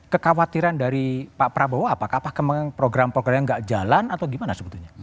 kekhawatiran dari pak prabowo apakah memang program program yang nggak jalan atau gimana sebetulnya